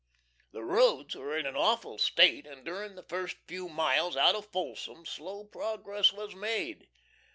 The roads were in an awful state, and during the first few miles out of Folsom slow progress was made.